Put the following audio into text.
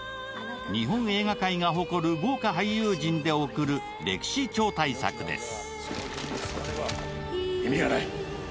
日本映画界が誇る豪華俳優陣で贈る歴史超大作です。